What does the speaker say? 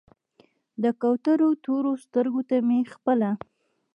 د کوترو تورو سترګو ته مې خپله